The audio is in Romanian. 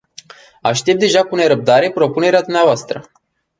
Aștept deja cu nerăbdare propunerea dumneavoastră.